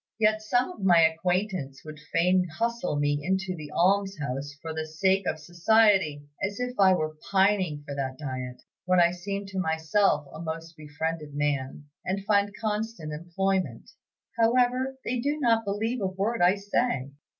Yet some of my acquaintance would fain hustle me into the almshouse for the sake of society; as if I were pining for that diet, when I seem to myself a most befriended man, and find constant employment. However, they do not believe a word I say.